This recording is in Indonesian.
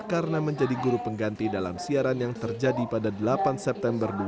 karena menjadi guru pengganti dalam siaran yang terjadi pada delapan september dua ribu dua puluh tersebut